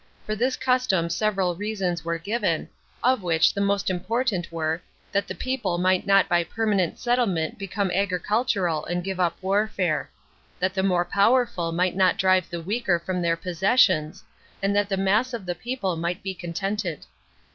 For this custom several reasons were given, of which the most important were that the people might not by permanent settlement become agricultural and give up warfare ; that the more powerful might not drive the weaker from their possessions ; and that the mass of the people might be contented.